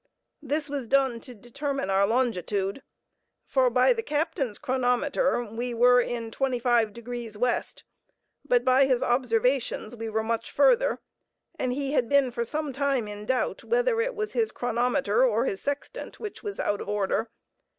This was done to determine our longitude; for by the captain's chronometer we were in 25° W., but by his observations we were much further, and he had been for some time in doubt whether it was his chronometer or his sextant which was out of order.